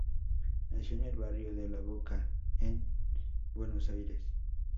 Nació en el barrio de La Boca, en Buenos Aires.